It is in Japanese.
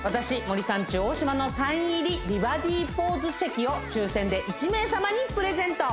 森三中大島のサイン入り美バディポーズチェキを抽選で１名様にプレゼント